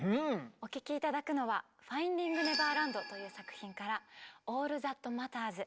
お聴き頂くのは「ファインディング・ネバーランド」という作品から「オール・ザット・マターズ」。